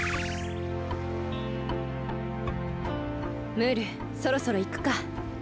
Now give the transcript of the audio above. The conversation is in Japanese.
ムールそろそろいくか。